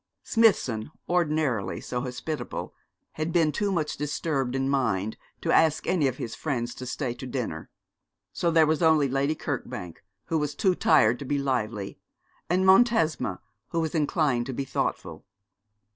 Smithson, ordinarily so hospitable, had been too much disturbed in mind to ask any of his friends to stay to dinner; so there were only Lady Kirkbank, who was too tired to be lively, and Montesma, who was inclined to be thoughtful.